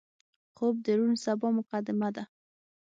خوب د روڼ سبا مقدمه ده